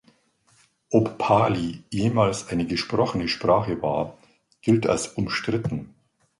Ob Pali jemals eine gesprochene Sprache war, gilt als umstritten.